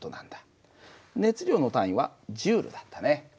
熱量の単位はＪだったね。